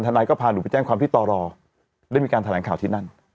นายก็พาหนูไปแจ้งความที่ตรได้มีการแถลงข่าวที่นั่น